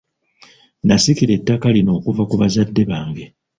Nasikira ettaka lino okuva ku bazadde bange.